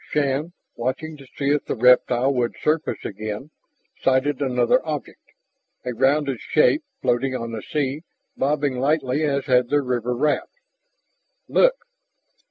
Shann, watching to see if the reptile would surface again, sighted another object, a rounded shape floating on the sea, bobbing lightly as had their river raft. "Look!"